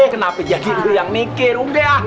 kenapa jadi lu yang mikir umbeh